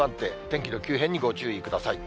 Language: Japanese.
天気の急変にご注意ください。